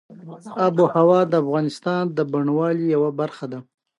آب وهوا د افغانستان د بڼوالۍ یوه برخه ده.